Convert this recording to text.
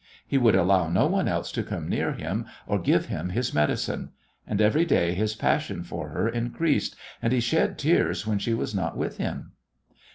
He would allow no one else to come near him or give him his medicine, and every day his passion for her increased, and he shed tears when she was not with him.